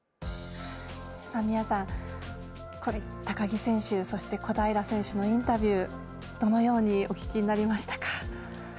高木選手、小平選手のインタビュー、どのようにお聞きになりましたか。